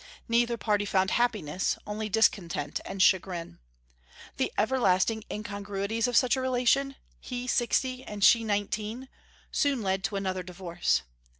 Neither party found happiness, only discontent and chagrin. The everlasting incongruities of such a relation he sixty and she nineteen soon led to another divorce.